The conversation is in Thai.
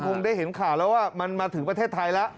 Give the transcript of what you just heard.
คงได้เห็นข่าวแล้วว่ามันมาถึงประเทศไทยแล้ว